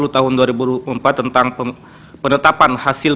tiga ratus enam puluh tahun dua ribu empat tentang penetapan hasil